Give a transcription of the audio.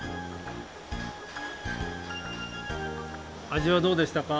味はどうでしたか？